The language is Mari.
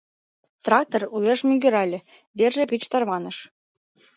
Трактор уэш мӱгырале, верже гыч тарваныш.